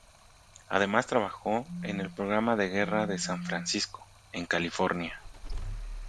Además trabajó en el Programa de Guerra de San Francisco, en California.